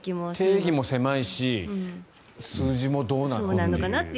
定義も狭いし数字も、どうなの？という。